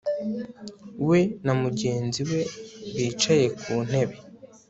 We na mugenzi we bicaye ku ntebe